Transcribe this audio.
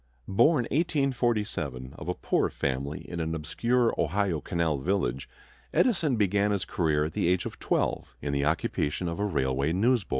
Born (1847) of a poor family in an obscure Ohio canal village, Edison began his career at the age of twelve in the occupation of a railway newsboy.